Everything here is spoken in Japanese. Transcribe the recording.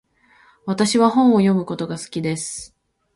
私は本を読むことが好きです。